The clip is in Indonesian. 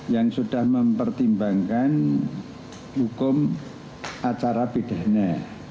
yang sudah mempertimbangkan hukum acara pidana